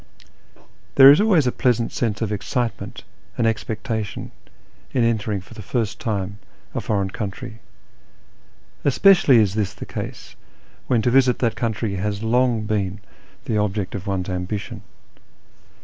There is always a pleasant sense of excitement and expecta tion in entering for the first time a foreign country. Especially is this the case when to visit that country has long been the object of one's ambition.